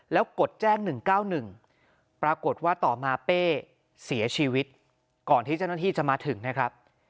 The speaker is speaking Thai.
แล้วกดแจ้ง๑๙๑ปรากฏว่าต่อมาเป้เสียชีวิตก่อนที่เจ้าหน้าที่จะมาถึงนะครับ